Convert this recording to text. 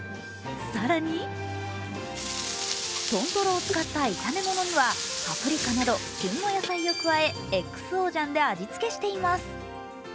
更に豚トロを使った炒め物にはパプリカなど旬の野菜を加えＸＯ醤で味付けしています。